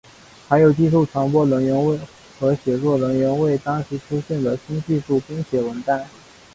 还有些技术传播人员和写作人员为当时出现的新技术编写文档。